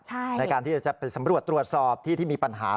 ในการที่จะไปสำรวจตรวจสอบที่ที่มีปัญหา